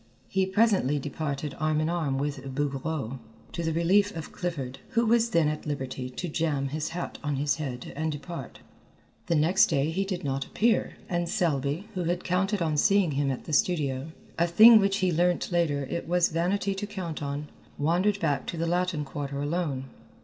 He presently departed arm in arm with Bouguereau, to the relief of Clifford, who was then at liberty to jam his hat on his head and depart. The next day he did not appear, and Selby, who had counted on seeing him at the studio, a thing which he learned later it was vanity to count on, wandered back to the Latin Quarter alone.